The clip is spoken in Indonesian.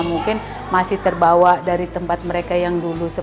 mungkin masih terbawa dari tempat mereka yang dulu